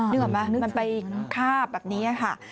นึกออกไหมมันไปคาบแบบนี้ค่ะ